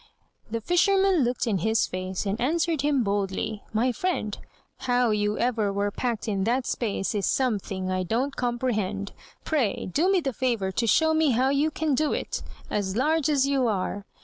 The fisherman looked in his face, And answered him boldly: "My friend, How you ever were packed in that space Is something I don't comprehend. Pray do me the favor to show me how you Can do it, as large as you are."